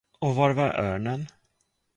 Och var var örnen?